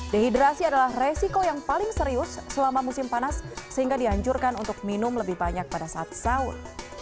dehidrasi adalah resiko yang paling serius selama musim panas sehingga dianjurkan untuk minum lebih banyak pada saat sahur